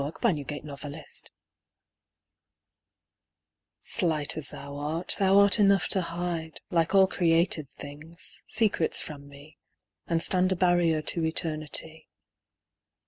94 Sonnets TO A DAISY SLIGHT as thou art, thou art enough to hide Like all created things, secrets from me, And stand a barrier to eternity.